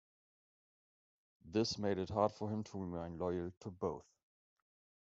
This made it hard for him to remain loyal to both.